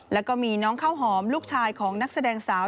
แล้วก็มีน้องข้าวหอมลูกชายของนักแสดงสาว